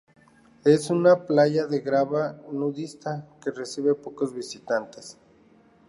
Es una playa de grava nudista que recibe pocos visitantes.